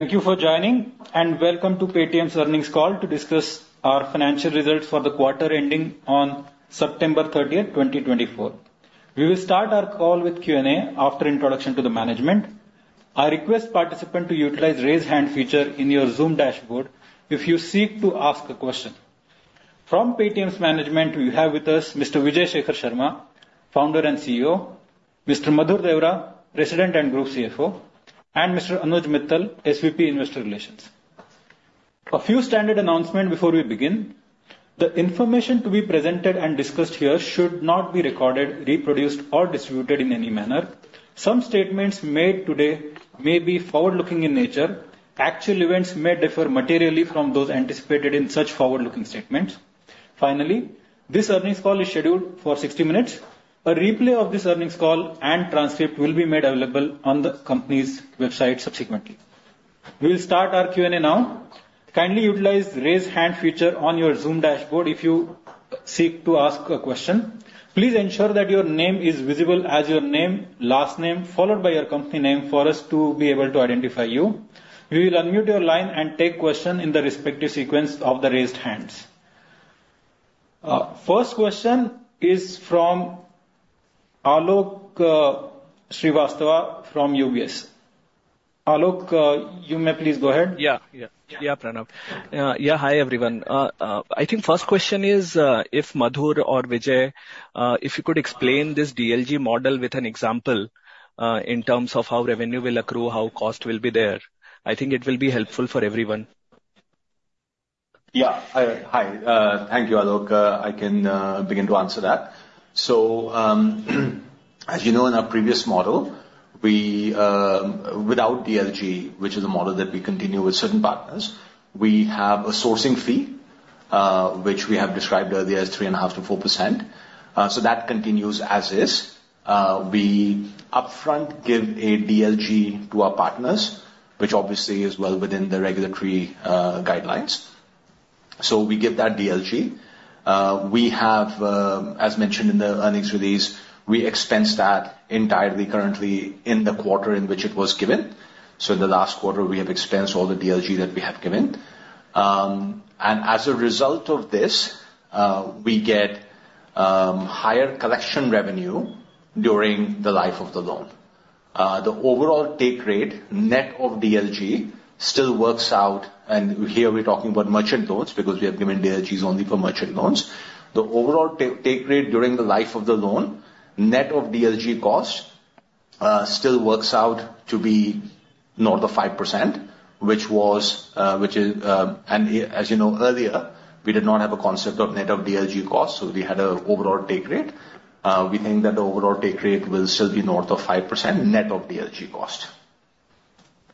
Thank you for joining and welcome to Paytm's earnings call to discuss our financial results for the quarter ending on September 30, 2024. We will start our call with Q&A. After introduction to the management, I request participant to utilize Raise Hand feature in your Zoom Dashboard if you seek to ask a question from Paytm's management. We have with us Mr. Vijay Shekhar Sharma, Founder and CEO, Mr. Madhur Deora, President and Group CFO, and Mr. Anuj Mittal, SVP, Investor Relations. A few standard announcement before we begin. The information to be presented and discussed here should not be recorded, reproduced or distributed in any manner. Some statements made today may be forward looking in nature. Actual events may differ materially from those anticipated in such forward looking statements. Finally, this earnings call is scheduled for 60 minutes. A replay of this earnings call and transcript will be made available on the company's website. Subsequently we will start our Q and A now. Kindly utilize Raise Hand feature on your Zoom Dashboard. If you seek to ask a question, please ensure that your name is visible as your name, last name followed by your company name for us to be able to identify you. We will unmute your line and take question in the respective sequence of the raised hands. First question is from Alok Srivastava from UBS. Alok, you may please go ahead. Yeah, yeah, yeah. Yeah. Hi everyone. I think first question is if Madhur or Vijay if you could explain this DLG model with an example in terms of how revenue will accrue, how cost will be there? I think it will be helpful for everyone. Yeah. Hi, thank you Alok, I can begin to answer that. So as you know, in our previous model we without DLG, which is a model that we continue with certain partners, we have a sourcing fee which we have described earlier as 3.5%-4%. So that continues as is. We upfront give a DLG to our partners, which obviously is well within the regulatory guidelines. So we give that DLG. We have, as mentioned in the earnings release, we expense that entirely currently in the quarter in which it was given. So in the last quarter we have expensed all the DLG that we have given and as a result of this we get higher collection revenue during the life of the loan. The overall take rate net of DLG still works out and here we're talking about merchant loans because we have given DLGs only for merchant loans. The overall take rate during the life of the loan net of DLG cost still works out to be north of 5%, which is, and as you know, earlier we did not have a concept of net of DLG costs. So we had an overall take rate. We think that the overall take rate will still be north of 5% net of DLG cost.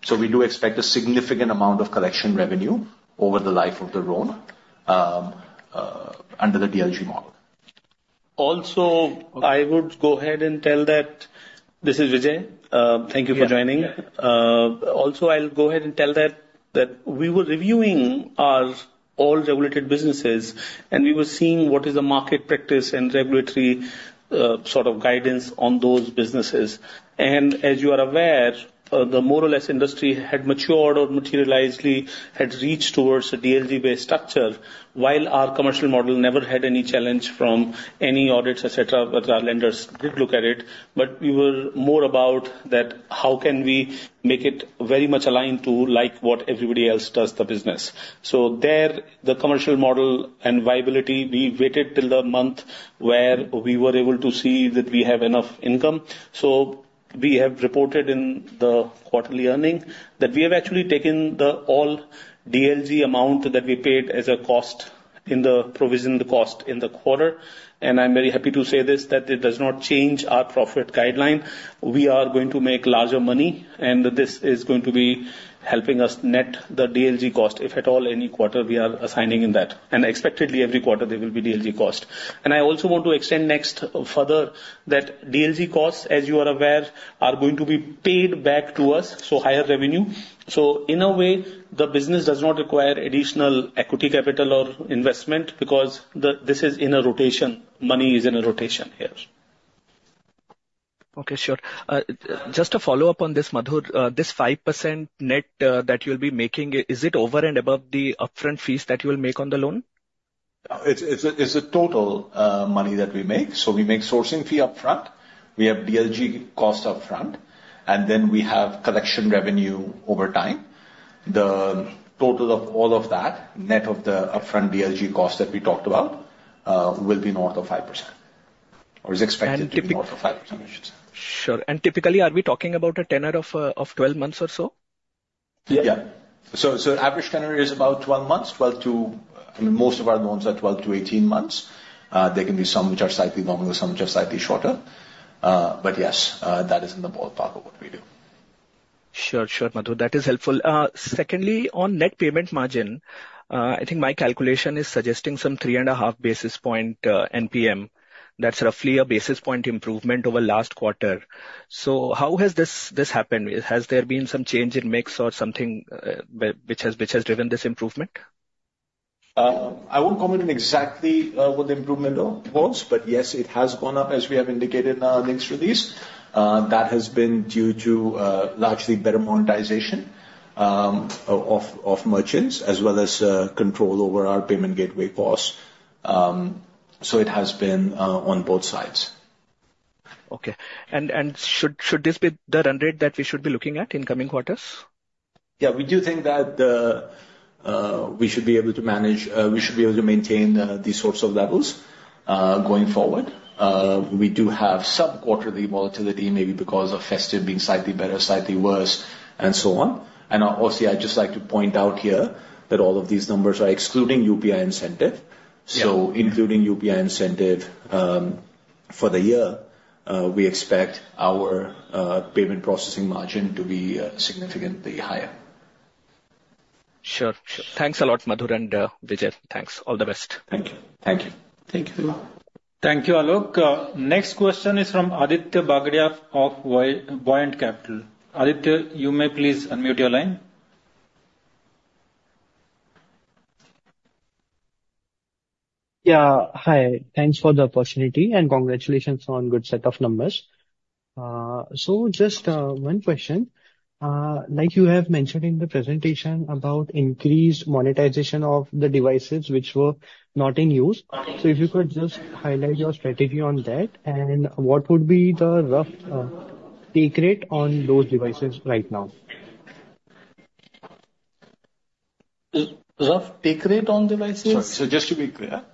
So we do expect a significant amount of collection revenue over the life of the loan under the DLG model. Also, I would go ahead and tell that this is Vijay. Thank you for joining. Also, I'll go ahead and tell that we were reviewing all our regulated businesses and we were seeing what is the market practice and regulatory sort of guidance on those businesses, and as you are aware, the more or less industry had matured or materially had reached towards a DLG based structure. While our commercial model never had any challenge from any audits, etc., but our lenders did look at it, but we were more about that how can we make it very much aligned to like what everybody else does the business, so there the commercial model and viability. We waited till the month where we were able to see that we have enough income. So we have reported in the quarterly earnings that we have actually taken all the DLG amount that we paid as a cost in the provision, the cost in the quarter. And I'm very happy to say this, that it does not change our profit guideline. We are going to make larger money and this is going to be helping us net the DLG cost if at all, any quarter we are assigning in that and expectedly every quarter there will be DLG cost. And I also want to extend next further that DLG costs as you are aware are going to be paid back to us. So higher revenue. So in a way the business does not require additional equity capital or investment because this is in a rotation. Money is in a rotation here. Okay, sure. Just to follow up on this, Madhur. This 5% net that you'll be making. Is it over and above the upfront fees that you will make on the loan? It's a total money that we make. So we make sourcing fee up front. We have DLG cost up front and then we have collection revenue over time. The total of all of that net of the upfront DLG cost that we talked about will be north of 5% or is expected. Sure. Typically are we talking about a tenor of 12 months or so? Average tenure is about 12 months. I mean most of our loans are 12 to 18 months. There can be some which are slightly longer, some which are slightly shorter. But yes, that is in the ballpark of what we do. Sure, sure, Madhu, that is helpful. Secondly, on net payment margin, I think my calculation is suggesting some three and a half basis point npm. That's roughly a basis point improvement over last quarter. So how has this happened? Has there been some change in mix or something which has driven this improvement? I won't comment on exactly what the improvement was, but yes, it has gone up, as we have indicated in our earnings release, has been due to largely better monetization of merchants as well as control over our payment gateway costs, so it has been on both sides. Okay. Should this be the run rate that we should be looking at in coming quarters? Yeah, we do think that we should be able to manage. We should be able to maintain these sorts of levels going forward. We do have some quarterly volatility maybe because of festive being slightly better, slightly worse numbers and so on. And obviously I'd just like to point out here that all of these numbers are excluding UPI incentive. So including UPI incentive for the year, we expect our payment processing margin to be significantly higher. Sure. Thanks a lot, Madhur and Vijay. Thanks. All the best. Thank you. Thank you. Thank you. Thank you. Alok. Next question is from Aditya Bagdia of Buoyant Capital. Aditya, you may please unmute your line. Yeah, hi. Thanks for the opportunity, and congratulations on good set of numbers. So just one question like you have mentioned in the presentation about increased monetization of the devices which were not in use. So if you could just highlight your strategy on that and what would be the rough take rate on those devices right now? Rough take rate on devices. So just to be clear,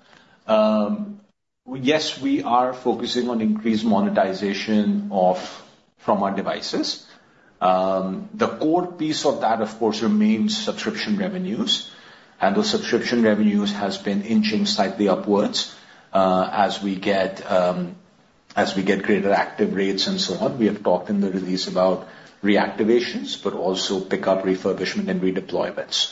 yes, we are focusing on increased monetization of from our devices. The core piece of that of course remains subscription revenues and the subscription revenues has been inching slightly upwards as we get greater active rates and so on. We have talked in the release about reactivations but also pickup, refurbishment and redeployments.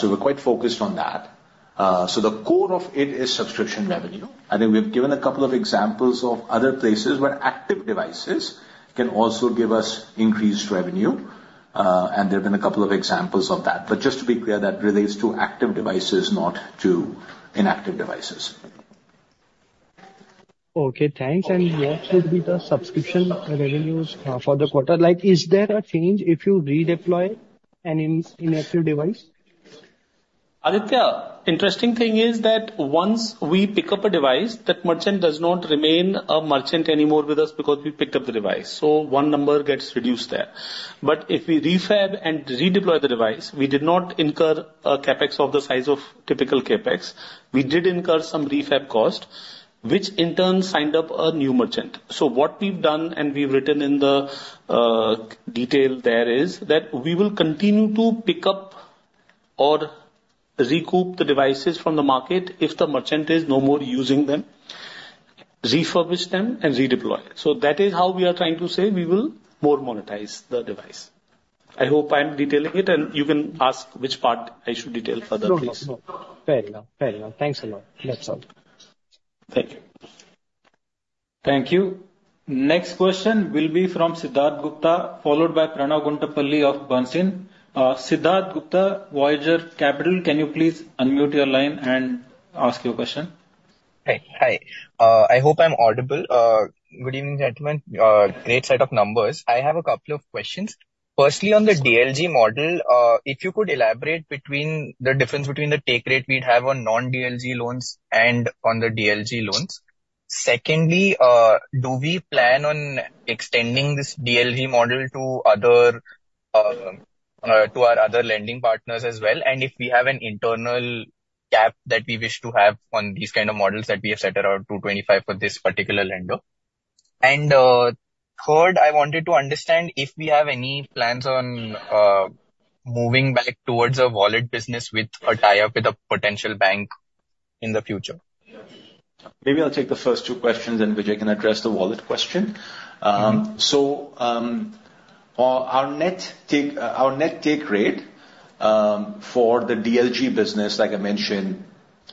So we're quite focused on that. So the core of it is subscription revenue. I think we've given a couple of examples of other places where active devices can also give us increased revenue. And there have been a couple of examples of that. But just to be clear, that relates to active devices, not to inactive devices. Okay, thanks. What would be the subscription revenues for the quarter? Like, is there a change if you redeploy an inactive device? Aditya, interesting thing is that once we pick up a device, that merchant does not remain a merchant anymore with us because we picked up the device. So one number gets reduced there. But if we refab and redeploy the device, we did not incur a CapEx of the size of typical CapEx. We did incur some ref cost which in turn signed up a new merchant. So what we've done and we've written in the detail there is that we will continue to pick up or recoup the devices from the market if the merchant is no more using them, refurbish them and redeploy. So that is how we are trying to say we will more monetize the device. I hope I'm detailing it and you can ask which part I should detail further. Thanks a lot. That's all. Thank you. Thank you. Next question will be from Siddharth Gupta followed by Pranav Gundlapalle of Bernstein. Siddharth Gupta, Voyager Capital. Can you please unmute your line and ask your question? Hey. Hi. I hope I'm audible. Good evening gentlemen. Great set of numbers. I have a couple of questions. Firstly, on the DLG model, if you could elaborate between the difference between the take rate we'd have on non DLG loans and on the DLG loans. Secondly, do we plan on extending this DLG model to other, to our other lending partners as well? And if we have an internal gap that we wish to have on these kind of models that we have set around 225 for this particular lender. And third, I wanted to understand if we have any plans on moving back towards a wallet business with a tie up with a potential bank in the future? Maybe I'll take the first two questions and Vijay can address the wallet question. So, our net take rate for the DLG business, like I mentioned,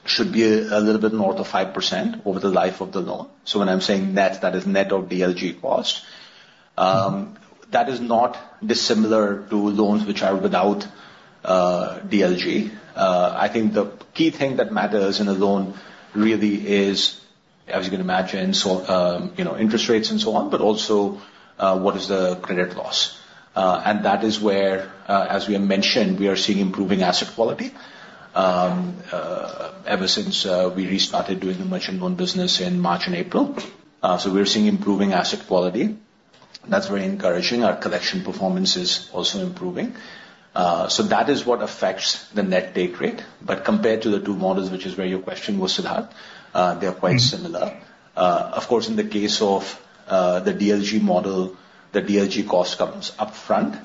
should be a little bit north of 5% over the life of the loan. So when I'm saying net, that is net of DLG cost, that is not dissimilar to loans which are without DLG. I think the key thing that matters in a loan really is, as you can imagine, you know, interest rates and so on. But also, what is the credit loss? And that is where, as we have mentioned, we are seeing improving asset quality ever since we restarted doing the merchant loan business in March and April. So we're seeing improving asset quality. That's very encouraging. Our collection performance is also improving. So that is what affects the net take rate. But compared to the two models, which is where your question was, they are quite similar. Of course in the case of the DLG model, the DLG cost comes up front.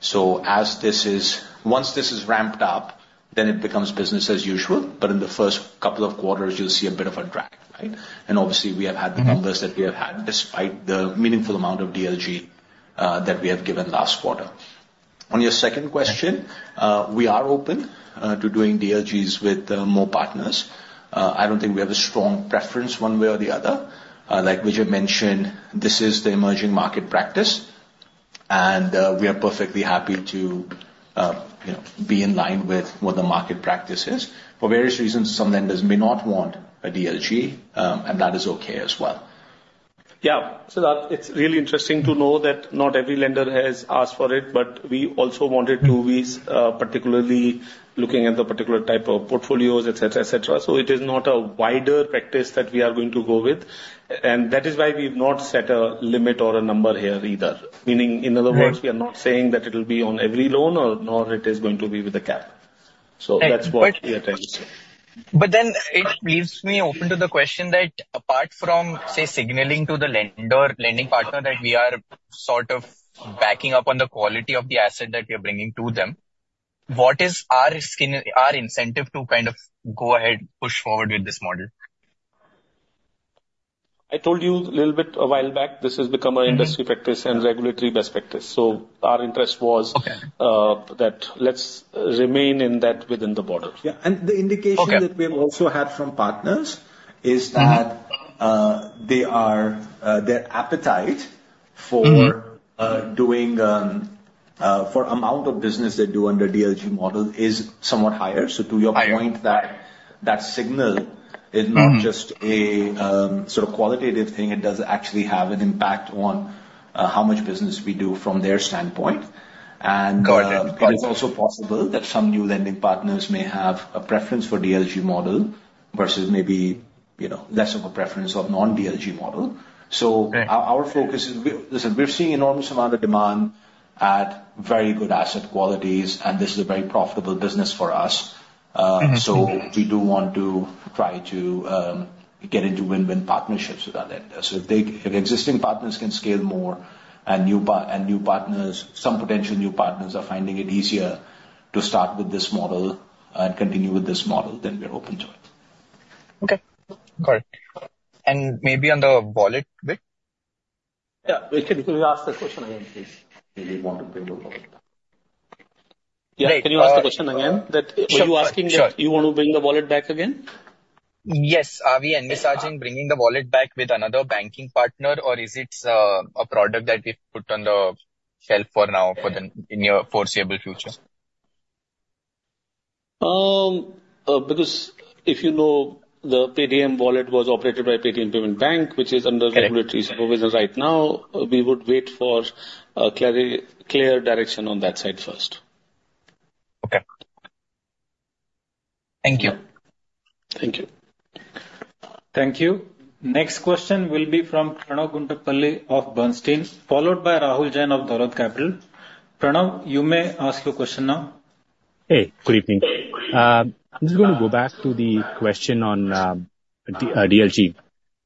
So as this is, once this is ramped up then it becomes business as usual. But in the first couple of quarters you'll see a bit of a drag. Right? Obviously we have had the numbers that we have had despite the meaningful amount of DLG that we have given last quarter. On your second question, we are open to doing DLGs with more partners. I don't think we have a strong preference one way or the other. Like we should mention, this is the emerging market practice and we are perfectly happy to be in line with what the market practices. For various reasons, some lenders may not want a DLG and that is okay as well. Yeah. So it's really interesting to know that not every lender has asked for it, but we also wanted to be particularly looking at the particular type of portfolios, etc., etc. So it is not a wider practice that we are going to go with and that is why we have not set a limit or a number here either. Meaning in other words, we are not saying that it will be on every loan nor it is going to be with the capital. So that's what we are trying to say. But then it leaves me open to the question that, apart from, say, signaling to the lending partner that we we're sort of backing up on the quality of the asset that we are bringing to them. What is our skin, our incentive to kind of go ahead, push forward with this model? I told you a little bit a while back, this has become an industry practice and regulatory best practice. So our interest was that let's remain in that within the border. Yeah. The indication that we also had from partners is that they are. Their appetite for doing for amount of business they do under DLG model is somewhat higher. So to your point that that signal is not just a sort of qualitative thing, it does actually have an impact on how much business we do from their standpoint. And it's also possible that some new lending partners may have a preference for DLG model versus maybe, you know, less of a preference of non DLG model. So our focus is we're seeing enormous amount of demand at very good asset qualities and this is a very profitable business for us. So we do want to try to get into win win partnerships with that. So if they, if existing partners can scale more and new partners, some potential new partners are finding it easier to start with this model and continue with this model, then we're open to it. Okay, got it. And maybe on the wallet bit. Yeah. Can you ask the question again please? Yeah. Can you ask the question again that you want to bring the wallet back Again? Yes. Are we envisaging bringing the wallet back with another banking partner or is it a product that we've put on the for now for the near foreseeable future? Because if you know the Paytm Wallet was operated by Paytm Payments Bank, which is under regulatory supervision right now, we would wait for clear direction on that side first. Okay. Thank you. Thank you. Thank you. Next question will be from Pranav of Bernstein followed by Rahul Jain of Dolat Capital. Pranav, you may ask your question now. Hey, good evening. I'm just going to go back to the question on DLG.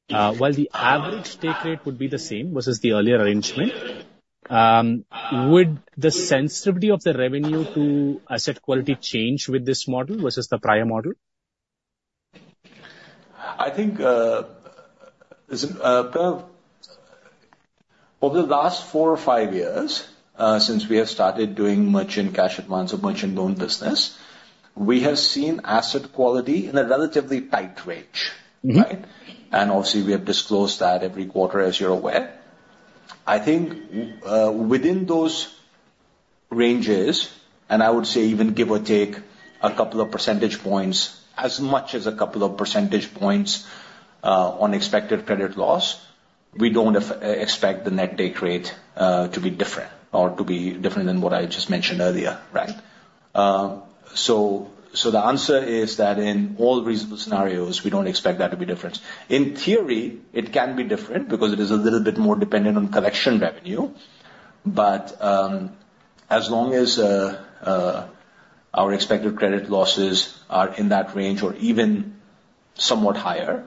While the average take rate would be the same versus the earlier arrangement, would the sensitivity of the revenue to asset quality change with this model versus the prior model? I think it's apparent. Over the last four or five years since we have started doing merchant cash advances in the merchant loan business, we have seen asset quality in a relatively tight range. Obviously we have disclosed that every quarter as you're aware. I think within those ranges, and I would say even give or take a couple of percentage points, as much as a couple of percentage points on expected credit loss, we don't expect the net take rate to be different or to be different than what I just mentioned earlier. Right? So the answer is that in all reasonable scenarios we don't expect that to be different. In theory it can be different because it is a little bit more dependent on collection revenue. But as long as our expected credit losses are in that range or even somewhat higher,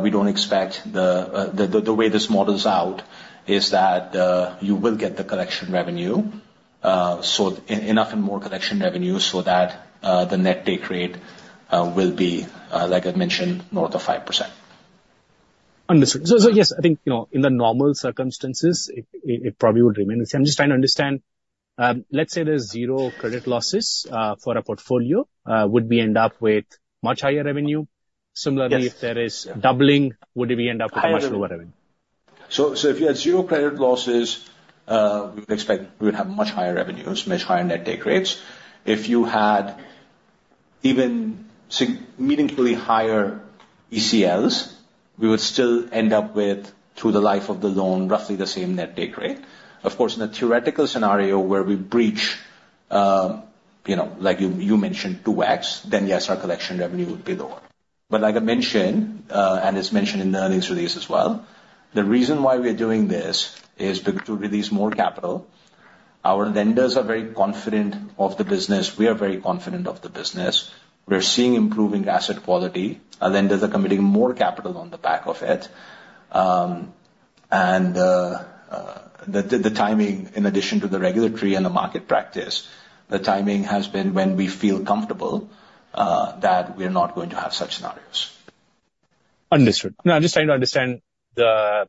we don't expect. The way this models out is that you will get the collection revenue so enough and more collection revenue so that the net take rate will be like I mentioned, north of 5%. Understood, so yes, I think you know, in the normal circumstances it probably would remain the same. Just trying to understand, let's say there's zero credit losses for a portfolio would end up with much higher revenue? Similarly if there is doubling would end up with much lower revenue. So, if you had zero credit losses, we would expect we would have much higher revenues, much higher net take rates. If you had even meaningfully higher ECLs, we would still end up with through the life of the loan roughly the same net take rate. Of course in a theoretical scenario where we breach, you know, like you mentioned 2x then yes, our collection revenue would be lower. But like I mentioned and it's mentioned in the earnings release as well, the reason why we are doing this is to release more capital. Our lenders are very confident of the business, we are very confident of the business we're seeing improving asset quality, lenders are committing more capital on the back of it. The timing, in addition to the regulatory and the market practice, the timing has been when we feel comfortable that we are not going to have such scenarios understood. Now I'm just trying to understand the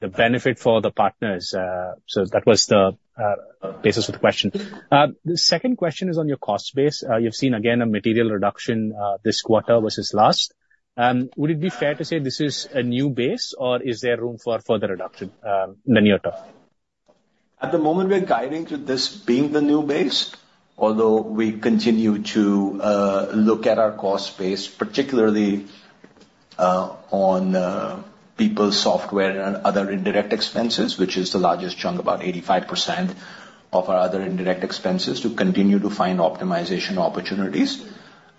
benefit for the partners. So that was the basis of the question. The second question is on your cost base. You've seen again a material reduction this quarter versus last. Would it be fair to say this is a new base or is there room for further adoption in the near term? At the moment we're guiding to this being the new base. Although we continue to look at our cost base particularly on people's software and other indirect expenses, which is the largest chunk, about 85% of our other indirect expenses to continue to find optimization opportunities.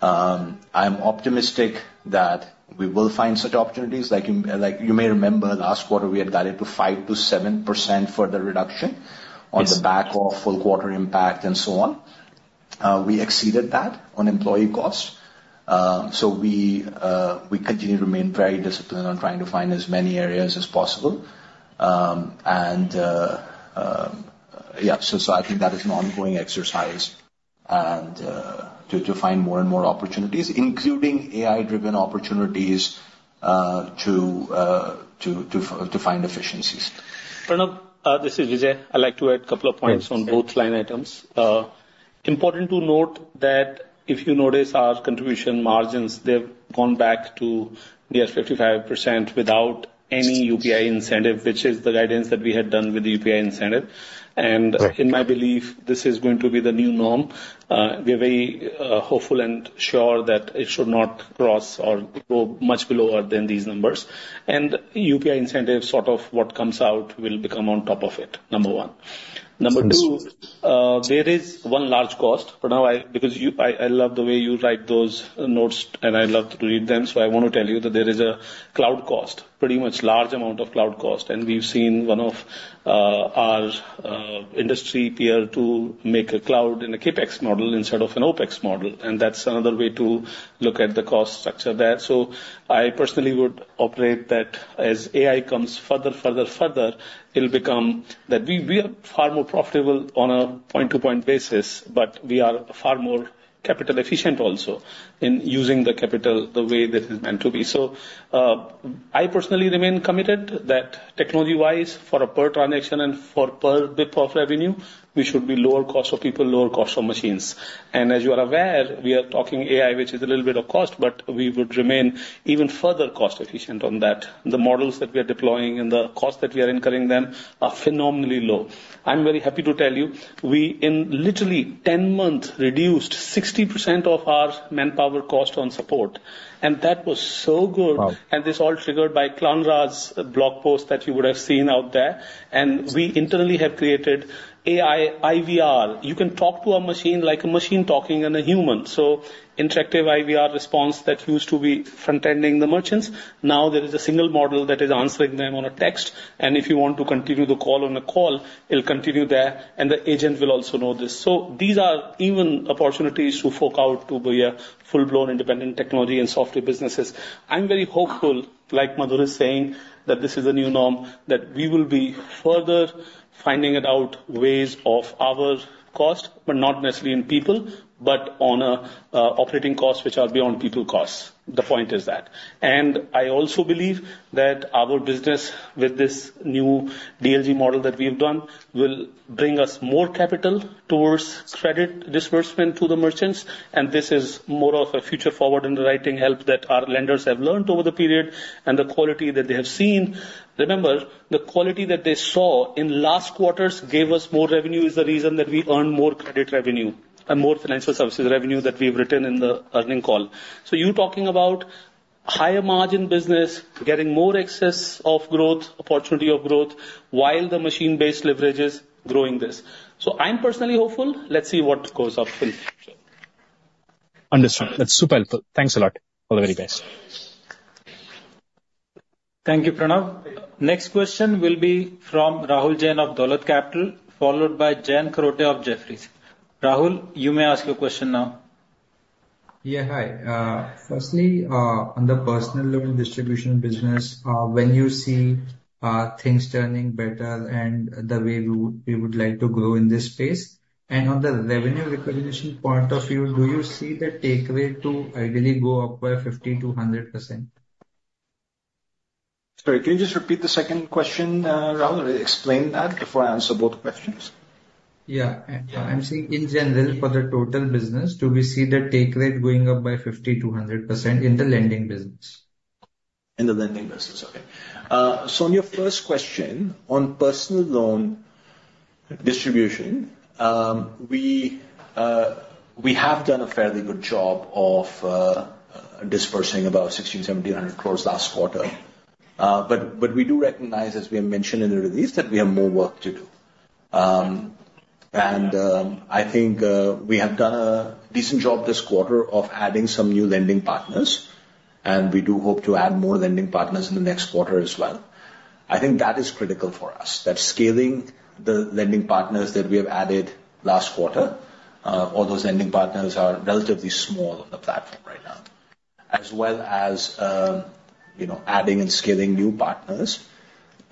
I'm optimistic that we will find such opportunities. Like you may remember last quarter we had guided to 5%-7% for the reduction on the back of full quarter impact and so on. We exceeded that on employee cost. So we continue to remain very disciplined on trying to find as many areas as possible. Yeah, so I think that is an ongoing exercise and to find more and more opportunities, including AI driven opportunities to find efficiencies. This is Vijay. I'd like to add a couple of points on both line items. Important to note that if you notice our contribution margins, they've gone back to near 55% without any UPI incentive which is the guidance that we had done with the UPI incentive and in my belief this is going to be the new norm. We're very hopeful and sure that it should not cross or go much below than these numbers and UPI incentives sort of what comes out will become on top of it, number one. Number two, there is one large cost. But now, because I love the way you write those notes and I love to read them, so I want to tell you that there is a cloud cost, pretty much large amount of cloud cost, and we've seen one of our industry peer to make a cloud in a CapEx model instead of an OpEx model. And that's another way to look at the cost structure that, so I personally would operate that as AI comes further, further, further. It'll become that we are far more profitable on a point to point basis. But we are far more capital efficient also in using the capital the way that is meant to be. So, I personally remain committed that technology-wise for a per transaction and for perf revenue we should be lower cost of people, lower cost of machines, and, as you are aware, we are talking AI which is a little bit of cost but we would remain even further cost efficient on that. The models that we are deploying and the cost that we are incurring them are phenomenally low. I'm very happy to tell you, we in literally 10 months reduced 60% of our manpower cost on support. And that was so good. And this all triggered by Klarna's blog post that you would have seen out there. And we internally have created AI IVR. You can talk to a machine like a machine talking and a human so interactive IVR response that used to be front ending the merchants. Now there is a single model that is answering them on a text. And if you want to continue the call on a call, it will continue there and the agent will also know this. So these are even opportunities to fork out to be a full blown independent technology and software businesses. I'm very hopeful like Madhur is saying that this is a new norm that we will be further finding it out ways of our cost but not necessarily in people but on operating costs which are beyond people costs. The point is that and I also believe that our business with this new DLG model that we've done will bring us more capital towards credit disbursement to the merchants. And this is more of a future forward underwriting help that our lenders have learned over the period. The quality that they have seen, remember the quality that they saw in last quarters gave us more revenue is the reason that we earn more credit revenue and more financial services revenue that we've written in the earnings call. You're talking about higher margin business getting more excess of growth, opportunity of growth while the machine-based leverage is growing this. I'm personally hopeful. Let's see what goes up. Understood, that's super helpful. Thanks a lot. All the very best. Thank you, Pranav. Next question will be from Rahul Jain of Dolat Capital followed by Jayant Kharote of Jefferies. Rahul, you may ask your question now. Yeah, hi. First, on the personal loan distribution business, when you see things turning better and the way we would like to grow in this space and on the revenue recognition point of view, do you see the take rate to ideally go up by 50%-100%? Sorry, can you just repeat the second question? Rahul, explain that before I answer both questions. Yeah, I'm saying in general for the total business, do we see the take rate going up by 50%-100% in the lending business? In the lending business. Okay, so on your first question on personal loan distribution. We have done a fairly good job of disbursing about 1,700 crores last quarter. But we do recognize, as we mentioned in the release, that we have more work to do, and I think we have done a decent job this quarter of adding some new lending partners, and we do hope to add more lending partners in the next quarter as well. I think that is critical for us that scaling the lending partners that we have added last quarter, all those lending partners are relatively small on the platform right now. As well as, you know, adding and scaling new partners,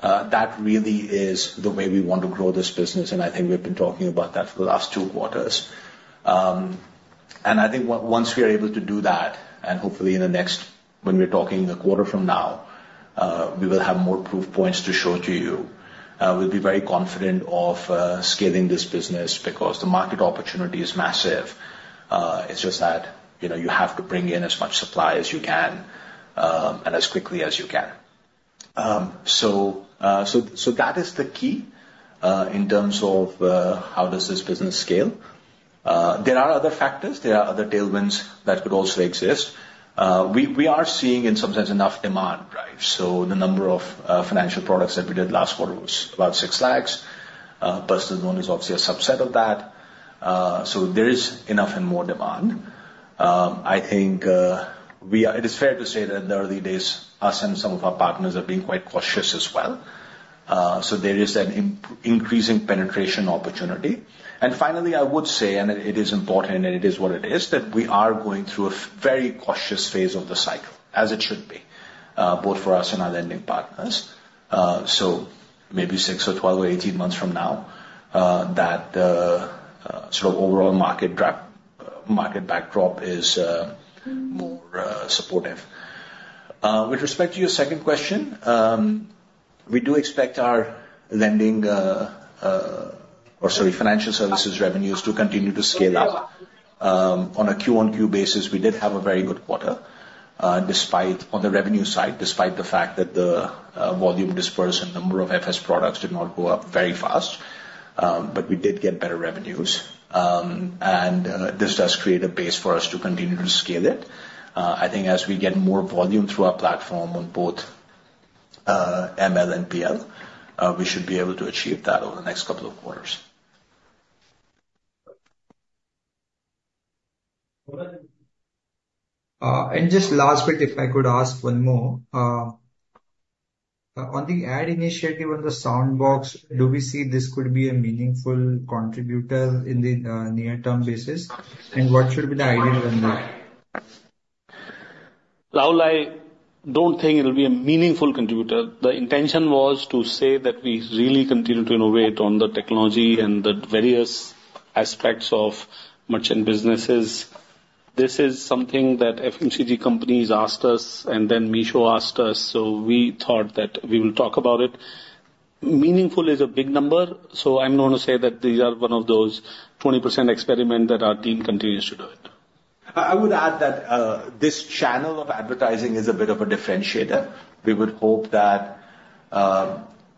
that really is the way we want to grow this business. I think we've been talking about that for the last two quarters and I think once we are able to do that and hopefully in the next, when we're talking a quarter from now, we will have more proof points to show to you. We'll be very confident of scaling this business because the market opportunity is massive. It's just that, you know, you have to bring in as much supply as you can and as quickly as you can. So that is the key in terms of how does this business scale. There are other factors, there are other tailwinds that could also exist. We are seeing in some sense enough demand drive. So the number of financial products that we did last quarter was about six lakhs. Personal loan is obviously a subset of that. So there is enough and more demand. I think we are, it is fair to say that in the early days, us and some of our partners are being quite cautious as well. So there is an increasing penetration opportunity. And finally, I would say, and it is important and it is what it is, that we are going through a very cautious phase of the cycle as it should be both for us and our lending partners. So maybe six months or 12 months or 18 months from now, that sort of overall market backdrop is more supportive. With respect to your second question, we do expect our lending or sorry, financial services revenues to continue to scale up on a Q on Q basis. We did have a very good quarter despite on the revenue side, despite the fact that the volume disbursed and number of FS products did not go up very fast. But we did get better revenues and this does create a base for us to continue to scale it. I think as we get more volume through our platform on both ML and PL, we should be able to achieve that over the next couple years of quarters. Just last bit, if I could ask one more on the AI initiative on the Soundbox, do we see this could be a meaningful contributor in the near term basis and what should be the ideal? I don't think it will be a meaningful contributor. The intention was to say that we really continue to innovate on the technology and the various aspects of merchant businesses. This is something that FMCG companies asked us and then Meesho asked us. So we thought that we will talk about it. Meaningful is a big number. So I'm going to say that these are one of those 20% experiment that our team continues to do it. I would add that this channel of advertising is a bit of a differentiator. We would hope that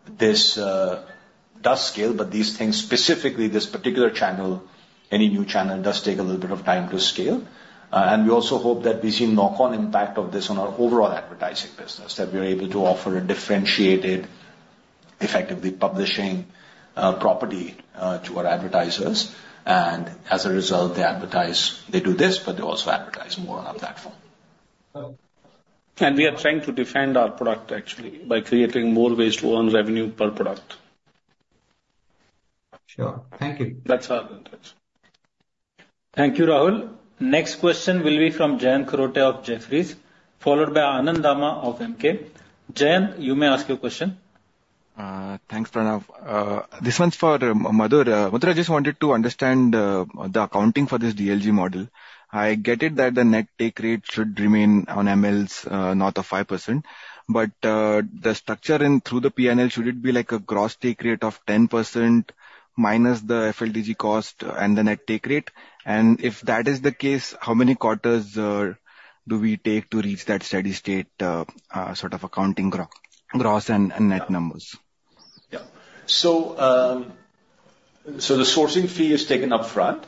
this does scale, but these things specifically this particular channel, any new channel does take a little bit of time to scale, and we also hope that we see knock on impact of this on our overall advertising business that we are able to offer a differentiated, effectively publishing property to our advertisers, and as a result they advertise, they do this but they also advertise more on our platform. We are trying to defend our product actually by creating more ways to earn revenue per product. Sure. Thank you. That's all. Thank you, Rahul. Next question will be from Jayant Kharote of Jefferies followed by Anand Dama of Emkay. You may ask your question. Thanks Pranav. This one's for Madhur Deora. I just wanted to understand the accounting for this DLG model. I get it that the net take rate should remain on MLS north of 5%. But the structure through the P and L, should it be like a gross take rate of 10% minus the FLDG cost and the net take rate. And if that is the case, how many quarters do we take to reach that steady state sort of accounting gross and net numbers. Yeah, so the sourcing fee is taken up front.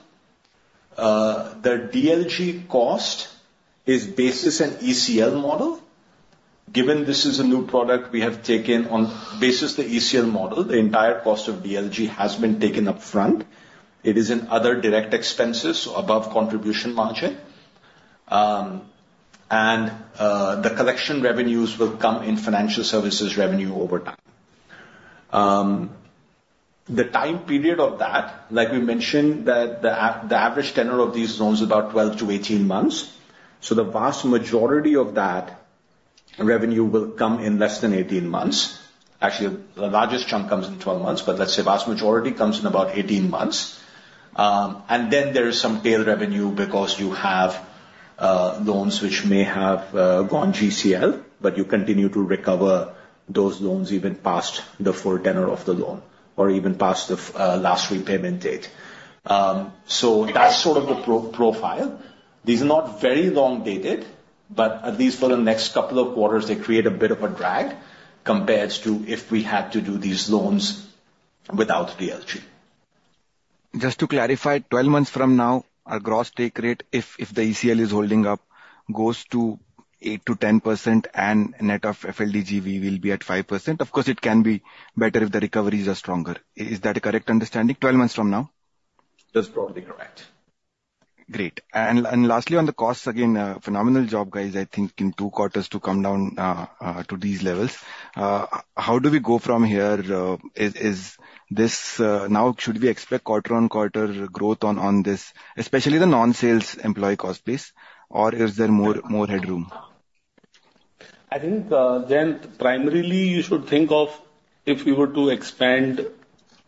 The DLG cost is basis the ECL model. Given this is a new product we have taken on basis the ECL model. The entire cost of DLG has been taken up front. It is in other direct expenses above contribution margin. The collection revenues will come in financial services revenue over time. The time period of that, like we mentioned that the average tenor of these loans about 12-18 months. The vast majority of that revenue will come in less than 18 months. Actually the largest chunk comes in 12 months. Let's say vast majority comes in about 18 months. And then there is some tail revenue because you have loans which may have gone ECL but you continue to recover those loans even past the full tenor of the loan or even past the last repayment date. So that's sort of the profile. These are not very long dated but at least for the next couple of quarters they create a bit of a drag compared to if we had to do these loans without DLG. Just to clarify, 12 months from now our gross take rate if the ECL is holding up goes to 8%-10% and net of FLDG we'll be at 5%. Of course it can be better if the recoveries are stronger. Is that a correct understanding 12 months from now? That's probably correct. Great. Lastly on the costs again, phenomenal job, guys. I think in two quarters to come down to these levels. How do we go from here? Is this now? Should we expect quarter-on-quarter growth on this, especially the non-sales employee cost base, or is there more headroom? I think, Jayant, primarily you should think of if you were to expand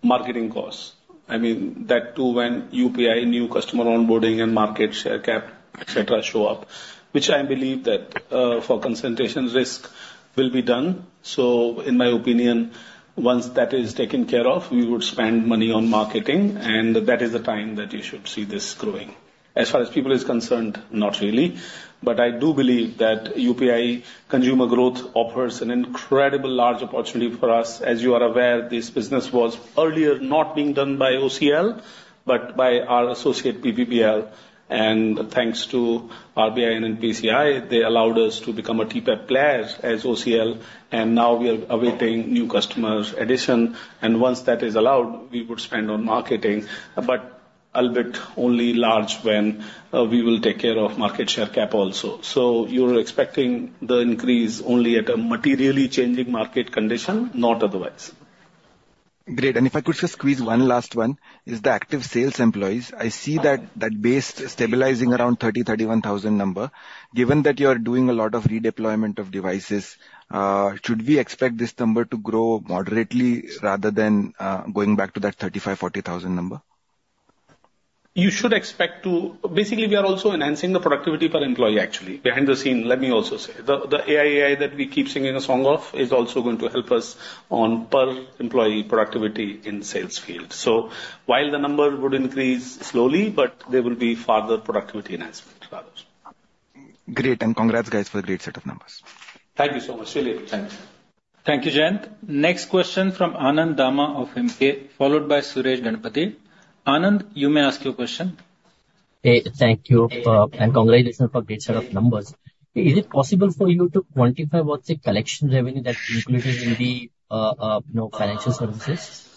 marketing costs. I mean that too when UPI, new customer onboarding and market share cap, etc., show up, which I believe that for concentration risk will be done. In my opinion once that is taken care of we would spend money on marketing and that is the time that you should see this growing as far as people is concerned. Not really. I do believe that UPI consumer growth offers an incredible large opportunity for us. As you are aware, this business was earlier not being done by OCL but by our associate PPBL, and thanks to RBI and NPCI, they allowed us to become a TPAP license as OCL, and now we are awaiting new customers addition, and once that is allowed, we would spend on marketing but a little bit only large when we will take care of market share cap also. So you're expecting the increase only at a materially changing market condition, not otherwise. Great. And if I could just squeeze one last one, is the active sales employees. I see that base stabilizing around 30,000-10,000 number. Given that you are doing a lot of redeployment of devices, should we expect this number to grow moderately rather than going back to that 35-40,000 number? You should expect to. Basically we are also enhancing the productivity per employee actually behind the scene. Let me also say the AI that we keep singing a song of is also going to help us on per employee productivity in sales field. So while the number would increase slowly but there will be further productivity in aspect. Great and congrats guys for the great set of numbers. Thank you so much. Thank you. Next question from Anand Dama of Emkay followed by Suresh Ganapathy. Anand, you may ask your question. Hey, thank you and congratulations for great set of numbers. Is it possible for you to quantify what's the collection revenue that's included in the non-financial services?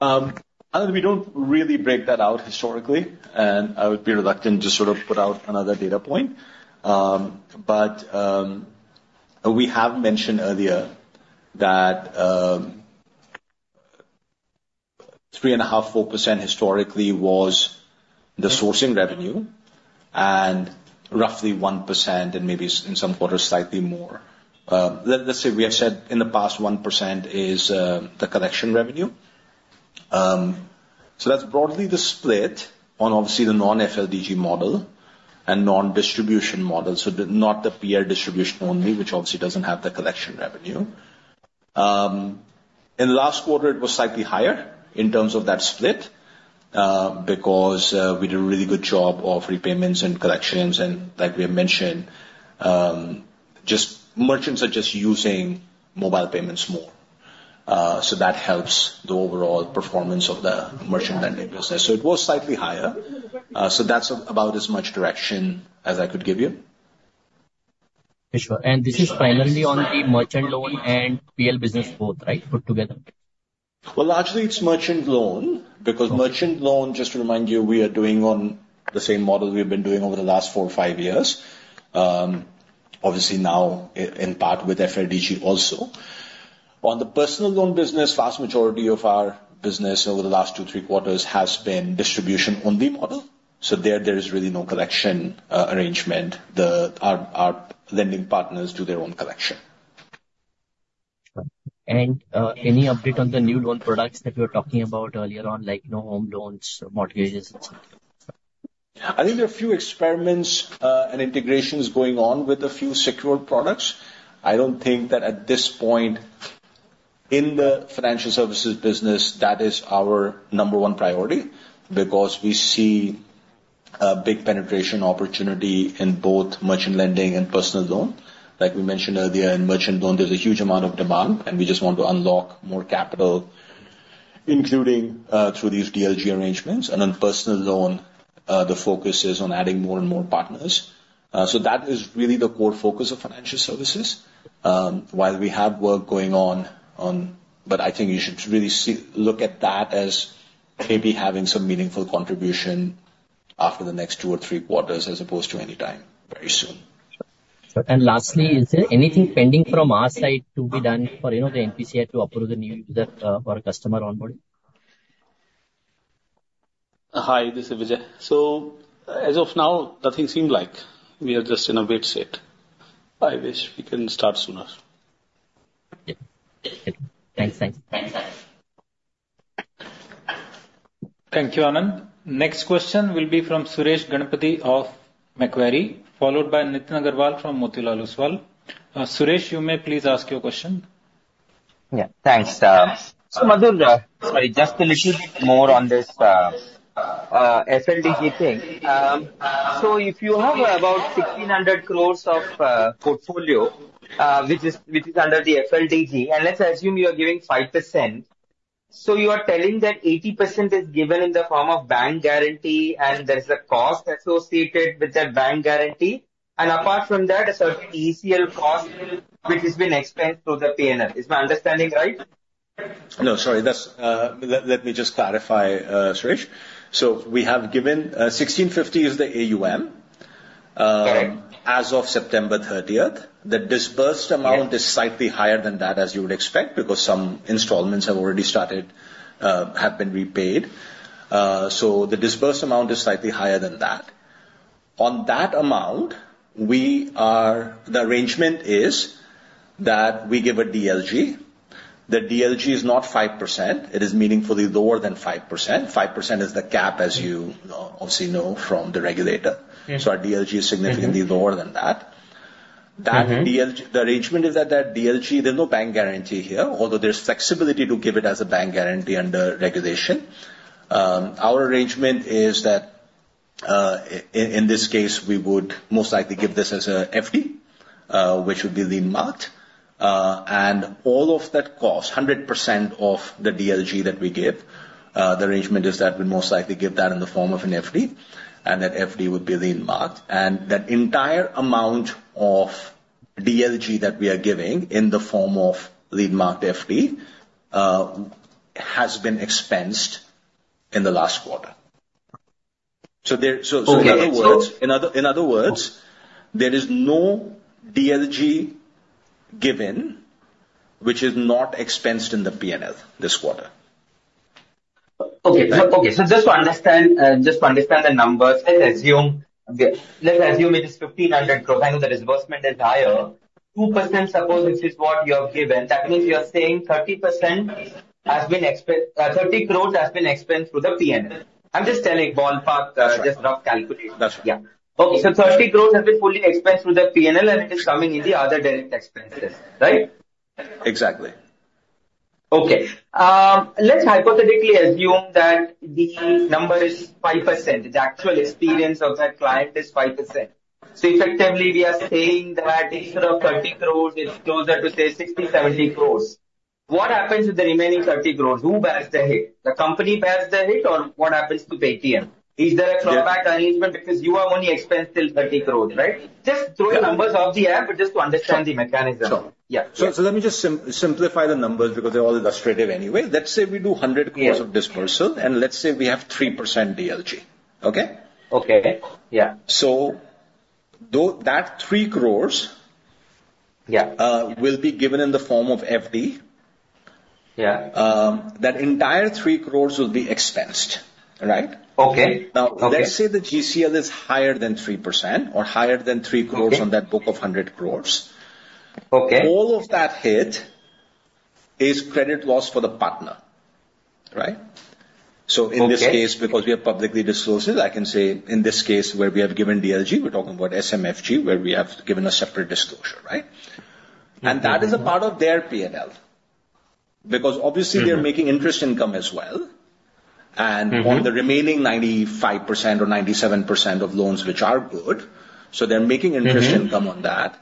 We don't really break that out historically, and I would be reluctant to sort of put out another data point, but we have mentioned earlier that 3.54% historically was the sourcing revenue and roughly 1% and maybe in some quarters slightly more. Let's say we have said in the past 1% is the collection revenue, so that's broadly the split on obviously the non FLDG model and non distribution model, so not the pure distribution only which obviously doesn't have the collection revenue. In last quarter it was slightly higher in terms of that split because we did a really good job of repayments and collections and like we have mentioned just merchants are just using mobile payments more so that helps the overall performance of the merchant lending business, so it was slightly higher, so that's about as much direction as I could give you. Sure. This is primarily on the merchant loan and PL business both, right? Put together. Largely, it's merchant loan because merchant loan, just to remind you, we are doing on the same model we've been doing over the last four or five years. Obviously, now in part with FLDG also on the personal loan business. Vast majority of our business over the last two three quarters has been distribution only model. So there is really no collection arrangement. Our lending partners do their own collection. Any update on the new loan products that we were talking about earlier on, like home loans, mortgages? I think there are a few experiments and integrations going on with a few secured products. I don't think that at this point in the financial services business that is our number one priority because we see a big penetration opportunity in both merchant lending and personal loan. Like we mentioned earlier in merchant loan there's a huge amount of demand and we just want to unlock more capital including through these DLG arrangements. And on personal loan the focus is on adding more and more partners. So that is really the core focus of financial services while we have work going on. But I think you should really look at that as maybe having some meaningful contribution after the next two or three quarters as opposed to anytime very soon. And lastly, is there anything pending from our side to be done for the NPCI to approve the new user or a customer onboarding? Hi, this is Vijay. So as of now, nothing. Seems like we are just in a wait state. I wish we can start sooner. Thanks. Thanks. Thank you Anand. Next question will be from Suresh Ganapathy of Macquarie followed by Nitin Aggarwal from Motilal Oswal. Suresh, you may please ask your question. Yeah, thanks. Just a little bit more on this FLDG thing. So if you have about 1,600 crores of portfolio which is under the FLDG and let's assume you are giving 5%. So you are telling that 80% is given in the form of bank guarantee. And there is a cost associated with that bank guarantee. And apart from that a certain ECL cost which has been expensed through the PNL is my understanding. Right? No, sorry. Let me just clarify, Suresh. So we have given 1650 is the AUM as of September 30th. The disbursed amount is slightly higher than that as you would expect because some installments have already started, have been repaid. So the disbursed amount is slightly higher than that. On that amount. The arrangement is that we give a DLG. The DLG is not 5%. It is meaningfully lower than 5%. 5% is the cap as you obviously know from the regulator. So our DLG is significantly lower than that. The arrangement is that, that DLG, there's no bank guarantee here although there's flexibility to give it as a bank guarantee under regulatory valuation. Our arrangement is that in this case we would most likely give this as a FD which would be lien marked and all of that cost 100% of the DLG that we give. The arrangement is that we most likely give that in the form of an FD and that FD would be lien marked. And that entire amount of DLG that we are giving in the form of lien marked FD has been expensed in the last quarter. So in other words, there is no DLG given which is not expensed in the PNL this quarter. So just to understand the numbers, let's assume it is 1500 crore. The disbursement is higher 2%. Suppose this is what you have given. That means you're saying 30% has been expensed. 30 crores has been expensed through the PNL. I'm just telling ballpark, just rough calculation. Yeah. Okay. 30 crores have been fully expensed through the P&L and it is coming in the other direct expenses. Right? Exactly. Okay. Let's hypothetically assume that the number is 5%. The actual experience of that client is 5%. So effectively we are saying that instead of 30 crores it's closer to say 60 crores -70 crores. What happens with the remaining 30 crores? Who backs the hit? The company passed the hit. Or what happens to Paytm? Is there a clawback arrangement because you are only expensed till 30 crores? Right? Just throwing numbers off the app just to understand the mechanism. Yeah, so let me just simplify the numbers because they're all illustrative. Anyway. Let's say we do 100 crores of disbursal and let's say we have 3% DLG. Okay. Okay. Yeah. That 3 crores. Yeah. Will be given in the form of FD. Yeah. That entire 300 million will be expensed. Right? Okay. Now let's say the ECL is higher than 3% or higher than 3 crores on that book of 100 crores. Okay. All of that hit is credit loss for the partner. Right? So in this case, because we are publicly disclosed, I can say in this case where we have given DLG, we're talking about SMFG where we have given a separate disclosure. Right? And that is a part of their. PL, because obviously they're making interest income as well. And on the remaining 95% or 97% of loans which are good. So they're making interest income on that.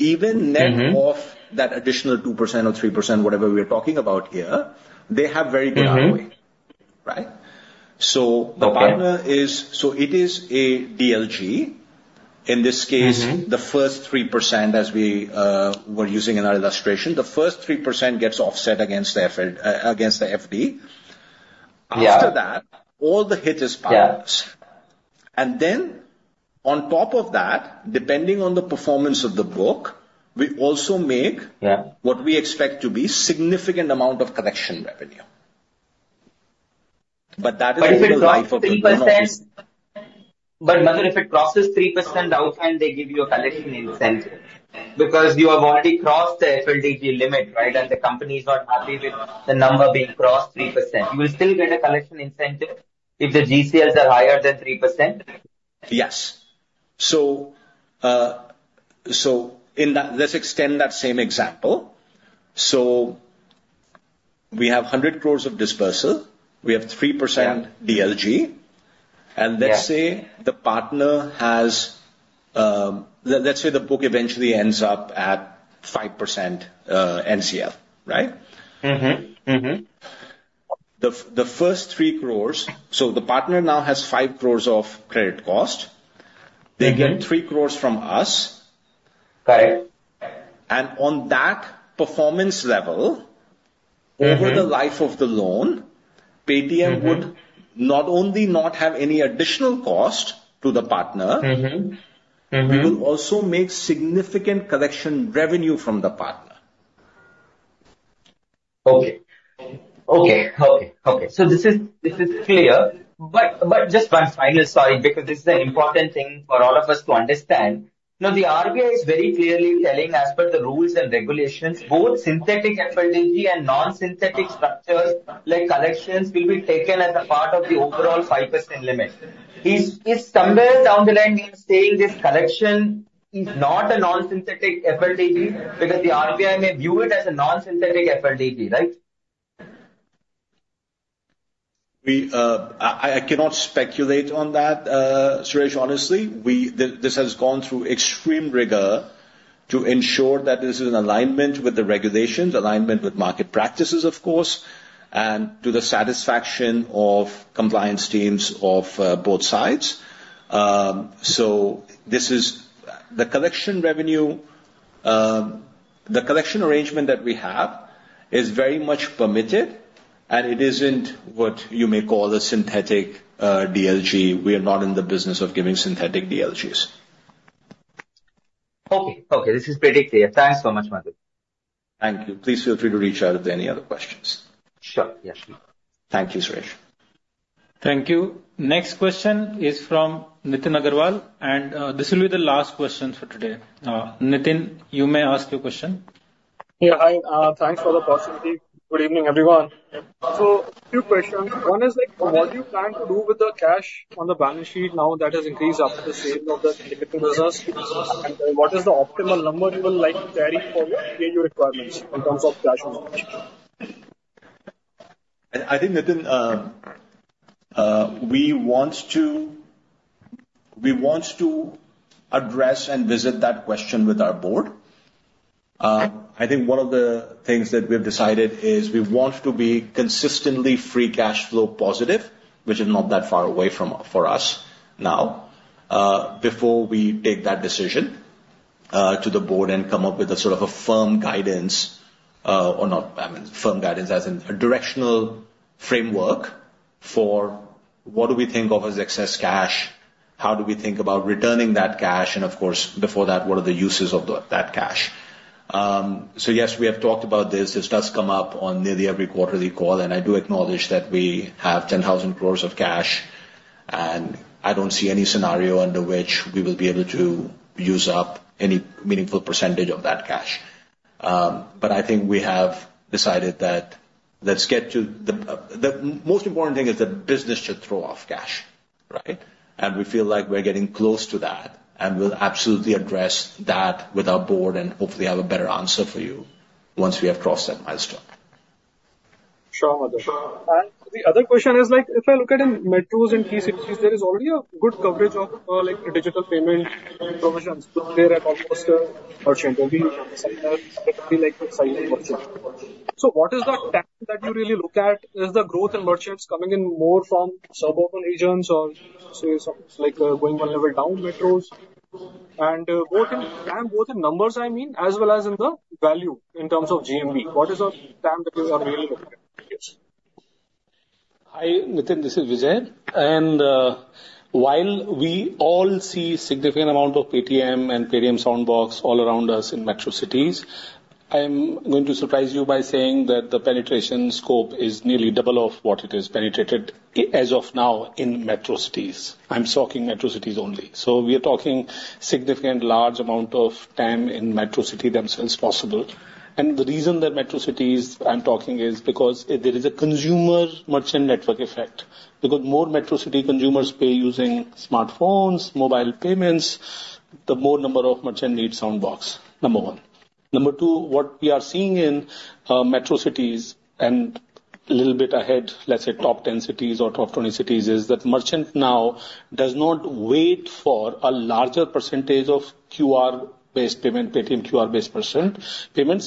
Even net of that additional 2% or 3%, whatever we are talking about here, they have very good. Right? So the banker is. So it is a DLG. In this case, the first 3% as we were using in our illustration, the first 3% gets offset against the FD. After that all the hit is. Yes. And then on top of that, depending on the performance of the book, we also make what we expect to be significant amount of collection revenue. But that is. But moreover, if it crosses 3% out and they give you a collection incentive because you have already crossed the FLDG limit. Right? The company is not happy with the number being crossed 3%. You will still get a collection incentive if the GCLs are higher than 3%. Yes. So, let's extend that same example, so we have 100 crores of disbursal. We have 3% DLG, and let's say the partner has. Let's say the book eventually ends up at 5% NCL, right. The first 3 crores, so the partner now has 5 crores of credit cost. They get 3 crores from us, and on that performance level, over the life of the loan, Paytm would not only not have any additional cost to the partner, we will also make significant collection revenue from the partner. Okay. Okay. Okay. Okay. This is. This is clear. But. But just one final story because this is an important thing for all of us to. Now the RBI is very clearly telling. As per the rules and regulations both synthetic FLDG and non synthetic structures like collections will be taken as a part of the overall 5% limit. Is somewhere down the line we are saying this collection is not a non synthetic FLDG because the RBI may view it as a non synthetic FLDG. Right? I cannot speculate on that, Suresh. Honestly, this has gone through extreme rigor to ensure that this is an alignment with the regulations, alignment with market practices, of course, and to the satisfaction of compliance teams of both sides. So this is the collection revenue. The collection arrangement that we have is very much permitted and it isn't what you may call a synthetic DLG. We are not in the business of giving synthetic DLGs. Okay. Okay. This is pretty clear. Thanks so much, Madhur. Thank you. Please feel free to reach out if there are any other questions. Sure. Yes. Thank you Suresh. Thank you. Next question is from Nitin Aggarwal. And this will be the last question for today. Nitin, you may ask your question. Yeah. Hi. Thanks for the opportunity. Good evening, everyone. So, few questions. One is, like, what do you plan to do with the cash on the balance sheet now that has increased after the sale of the results? What is the optimal number will like carry forward in terms of cash? I think Nitin, we want to address and visit that question with our board. I think one of the things that we've decided is we want to be consistently free cash flow positive which is not that far away from for us. Now before we take that decision to the board and come up with a sort of a firm guidance or not firm guidance as in a directional framework for what do we think of as excess cash? How do we think about returning that cash? And of course before that what are the uses of that cash? So yes, we have talked about this. This does come up on nearly every quarterly call. And I do acknowledge that we have 10,000 crores of cash. And I don't see any scenario under which we will be able to use up any meaningful percentage of that cash. But I think we have decided that let's get to the most important thing is that business should throw off cash. Right. And we feel like we're getting close to that and we'll absolutely address that with our board and hopefully have a better answer for you once we have crossed that milestone. Sure, Madhur. And the other question is like if I look at in metros and key cities there is already a good coverage of like digital payment penetration. So what is the tech that you really look at? Is the growth in merchants coming in more from suburban regions or say something like going one level down metros and both in numbers I mean as well as in the value in terms of GMV. What is the time that you are really looking at? Hi Nitin, this is Vijay. And while we all see significant amount of Paytm and Paytm Soundbox all around us in metro cities, I am going to surprise you by saying that the penetration scope is nearly double of what it has penetrated as of now in metro cities. I'm talking metro cities only. We are talking significant large amount of time in metro city themselves possible. The reason that metro cities I'm talking is because there is a consumer merchant network effect. Because more metro city consumers pay using smartphones mobile payments, the more number of merchant needs Soundbox number one. Number two, what we are seeing in metro cities and a little bit ahead, let's say top 10 cities or top 20 cities is that merchant now does not wait for a larger percentage of QR based payment Paytm QR based payments.